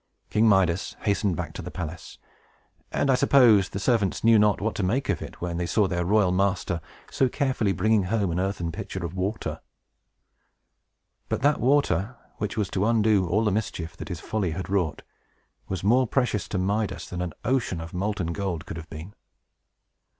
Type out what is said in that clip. King Midas hastened back to the palace; and, I suppose, the servants knew not what to make of it when they saw their royal master so carefully bringing home an earthen pitcher of water. But that water, which was to undo all the mischief that his folly had wrought, was more precious to Midas than an ocean of molten gold could have been.